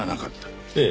ええ。